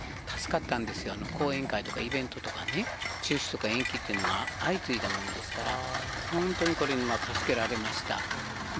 うちもこの持続化給付金で助かったんですよ、講演会とか、イベントとかね、中止とか延期とかというのが相次いだものですから、本当にこれには助けられました。